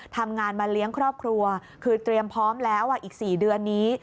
ทำงานมาเลี้ยงครอบครัวคือเตรียมพร้อมแล้วอีก๔เดือนนี้